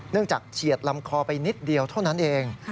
จากเฉียดลำคอไปนิดเดียวเท่านั้นเอง